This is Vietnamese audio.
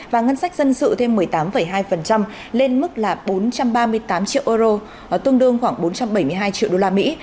và ngân sách dân sự thêm một mươi tám hai lên mức là bốn trăm ba mươi tám triệu euro tương đương khoảng bốn trăm bảy mươi hai triệu đô la mỹ